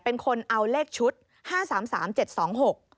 เป็นคนเอาเลขชุดห้าสามสามเจ็ดสองหก